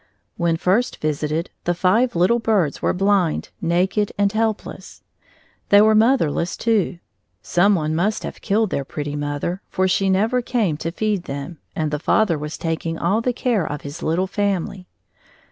When first visited, the five little birds were blind, naked, and helpless. They were motherless, too. Some one must have killed their pretty mother; for she never came to feed them, and the father was taking all the care of his little family.